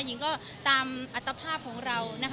หญิงก็ตามอัตภาพของเรานะคะ